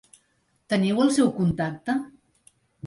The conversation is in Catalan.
Teniu el seu contacte?